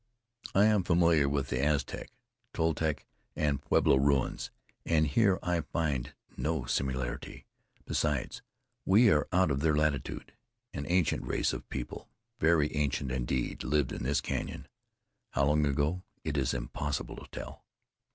"I am familiar with the Aztec, Toltec and Pueblo ruins, and here I find no similarity. Besides, we are out of their latitude. An ancient race of people very ancient indeed lived in this canyon. How long ago, it is impossible to tell."